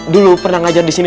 dulu pernah ngajar di sini